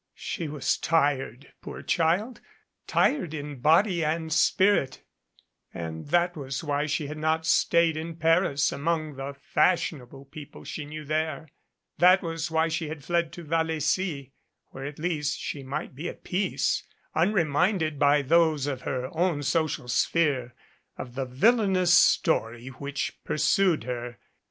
She was tired poor child tired in body and spirit, and that was why she had not stayed in Paris among the fashionable people she knew there; that was why she had fled to Vallecy, where at least she might be at peace, un reminded by those of her own social sphere of the villain ous story which pursued her.